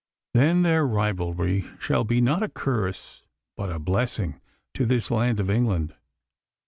Then their rivalry shall be not a curse, but a blessing to this land of England.